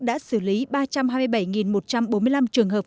đã xử lý ba trăm hai mươi bảy một trăm bốn mươi năm trường hợp